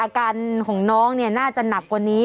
อาการของน้องน่าจะหนักกว่านี้